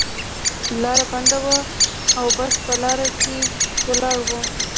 لاره بنده وه او بس په لار کې ولاړ و.